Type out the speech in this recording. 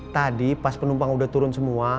tadi pas penumpang udah turun semua